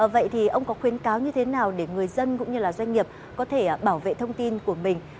vậy thì ông có khuyến cáo như thế nào để người dân cũng như là doanh nghiệp có thể bảo vệ thông tin của mình